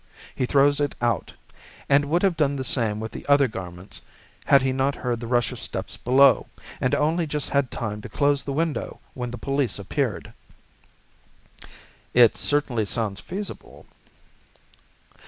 He throws it out, and would have done the same with the other garments had not he heard the rush of steps below, and only just had time to close the window when the police appeared." "It certainly sounds feasible."